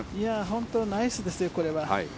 本当、ナイスですよこれは。